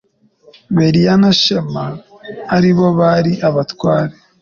beriya na shema ari bo bari abatware